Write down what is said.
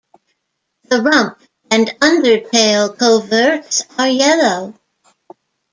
The rump and undertail coverts are yellow.